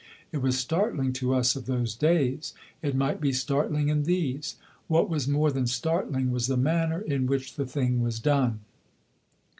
It was startling to us of those days, it might be startling in these; what was more than startling was the manner in which the thing was done.